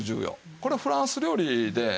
これフランス料理で。